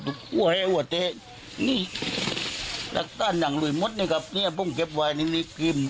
แล้วก็ต้านอย่างลุยมดนี่ครับเนี่ยผมเก็บไว้นี่นี่กิน